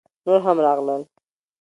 _نور هم راغلل!